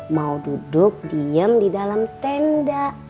mau duduk diam di dalam tenda